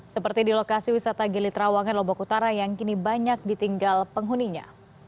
seperti di lokasi wisata gili trawangan lombok utara yang kini banyak ditinggal penghuninya